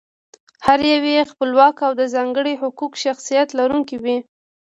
هر یو یې خپلواک او د ځانګړي حقوقي شخصیت لرونکی وي.